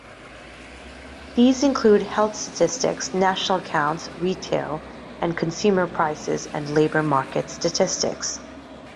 These include health statistics, National Accounts, Retail and Consumer Prices and Labour Market Statistics.